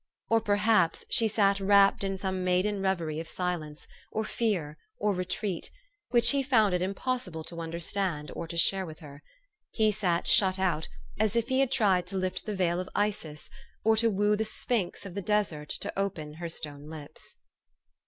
Or perhaps she sat wrapped in some maiden rev ery of silence, or fear, or retreat, which he found it impossible to understand or to share with her : he sat shut out, as if he had tried to lift the veil of Isis, or to woo the Sphinx of the desert to open her stone lips.